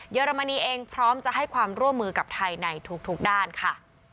อรมนีเองพร้อมจะให้ความร่วมมือกับไทยในทุกด้านค่ะ